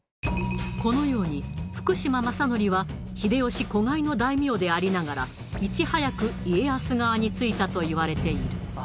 このように福島正則は秀吉子飼いの大名でありながらいち早く家康側についたといわれている。